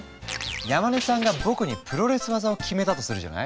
山根さんが僕にプロレス技を決めたとするじゃない？